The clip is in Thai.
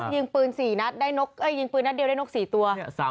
ยิงปืนนัดเดียวได้นก๔ตัว